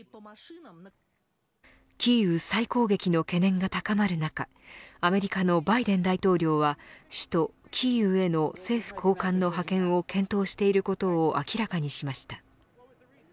キーウ再攻撃の懸念が高まる中アメリカのバイデン大統領は首都キーウへの政府高官の派遣を検討していることを明らかにしました。